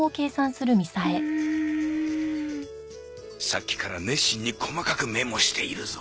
さっきから熱心に細かくメモしているぞ。